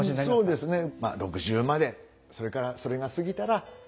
そうですね。